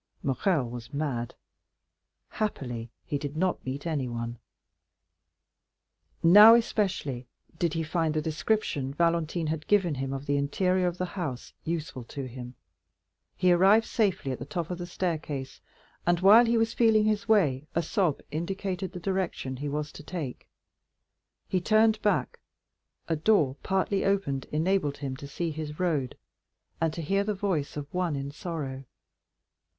Morrel was mad. Happily he did not meet anyone. Now, especially, did he find the description Valentine had given of the interior of the house useful to him; he arrived safely at the top of the staircase, and while he was feeling his way, a sob indicated the direction he was to take. He turned back, a door partly open enabled him to see his road, and to hear the voice of one in sorrow.